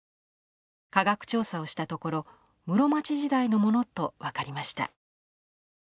科学調査をしたところ室町時代のものと分かりました。